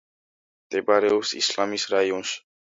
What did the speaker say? მდებარეობს ისმაილის რაიონში.